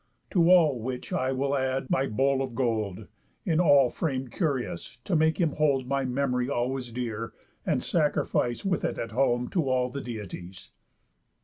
To all which I will add my bowl of gold, In all frame curious, to make him hold My memory always dear, and sacrifice With it at home to all the Deities."